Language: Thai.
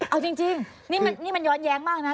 เอาจริงนี่มันย้อนแย้งมากนะ